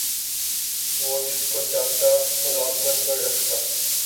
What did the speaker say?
وہ جس کو چاہتا ملازمت پر رکھتا